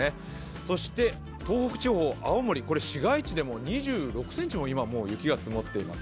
そして東北地方、青森は市街地でも２６ｃｍも今、もう雪が積もっています。